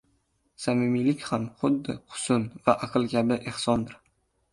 Samimiylik ham xuddi husn va aql kabi ehsondir.